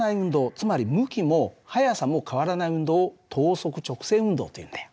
つまり向きも速さも変わらない運動を等速直線運動というんだよ。